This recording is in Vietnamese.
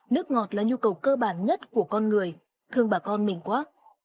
nước ngọt là nhu cầu cơ bản nhất của con người thương bà con mình quá